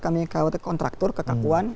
kami kawet kontraktor kekakuan